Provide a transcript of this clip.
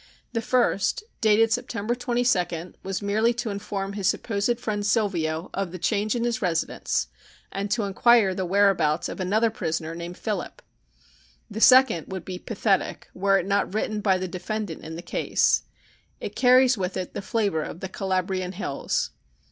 The first, dated September 22d, was merely to inform his supposed friend Silvio of the change in his residence and to inquire the whereabouts of another prisoner named Philip. The second would be pathetic were it not written by the defendant in the case. It carries with it the flavor of the Calabrian hills.